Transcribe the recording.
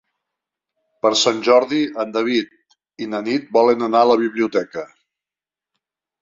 Per Sant Jordi en David i na Nit volen anar a la biblioteca.